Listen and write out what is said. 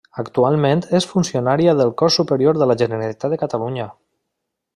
Actualment és funcionària del Cos Superior de la Generalitat de Catalunya.